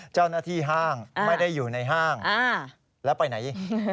เจ้าหน้าที่ห้างไม่ได้อยู่ในห้างแล้วไปไหน